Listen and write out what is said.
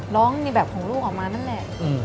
ในแบบของลูกออกมานั่นแหละ